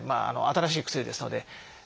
新しい薬ですので。